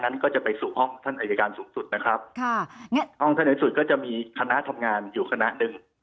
นั้นก็จะไปสู่ห้องท่านอายการสูงสุดนะครับค่ะเนี้ยห้องท่านในสุดก็จะมีคณะทำงานอยู่คณะหนึ่ง